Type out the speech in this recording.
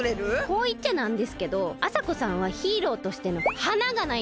こういっちゃなんですけどあさこさんはヒーローとしての華がないんですよね。